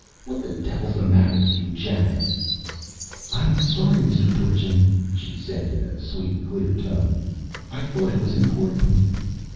What the devil's the matter with you, Janet?" "I'm sorry, Mr. Dorchin," she said in a sweet, clear tone. "I thought it was important."